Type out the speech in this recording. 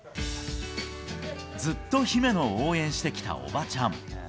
ずっと姫野を応援してきたおばちゃん。